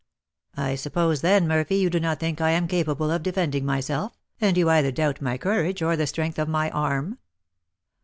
"I suppose, then, Murphy, you do not think I am capable of defending myself, and you either doubt my courage or the strength of my arm?"